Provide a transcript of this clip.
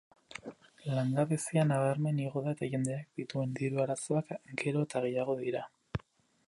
Langabezia nabarmen igo da eta jendeak dituen diru-arazoak gero eta gehiago dira.